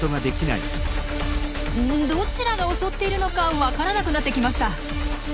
どちらが襲っているのか分からなくなってきました。